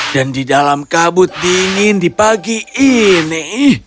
dan di dalam kabut dingin di pagi ini